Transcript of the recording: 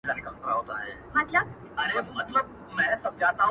پلار یې پلنډه کړ روان مخ پر بېدیا سو!!